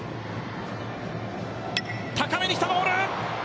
高めに来たボール。